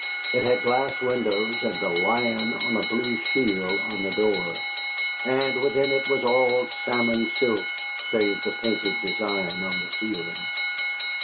It had glass windows and a lion on a blue shield on the door, and within it was all salmon silk, save the painted design on the ceiling.